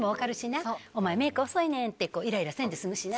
「お前メイク遅いねん」ってイライラせんで済むしな。